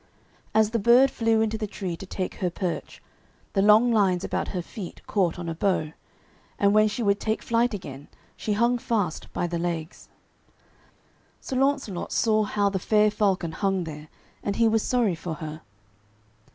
As the bird flew into the tree to take her perch, the long lines about her feet caught on a bough, and when she would take flight again she hung fast by the legs. Sir Launcelot saw how the fair falcon hung there, and he was sorry for her.